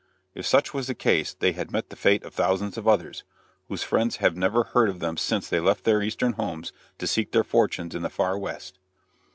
If such was the case, they had met the fate of thousands of others, whose friends have never heard of them since they left their eastern homes to seek their fortunes in the Far West.